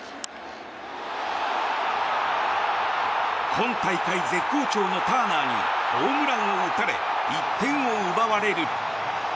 今大会、絶好調のターナーにホームランを打たれ１点を奪われる。